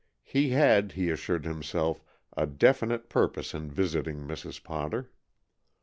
He had, he assured himself, a definite purpose in visiting Mrs. Potter.